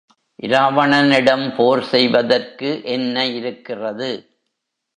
இராவணனிடம் போர் செய்வதற்கு என்ன இருக்கிறது?